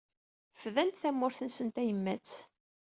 Fdan-d tamurt-nsen tayemmat.